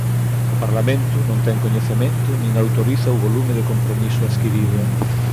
O Parlamento non ten coñecemento nin autoriza o volume de compromiso adquirido.